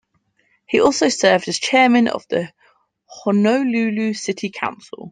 He also served as chairman of the Honolulu City Council.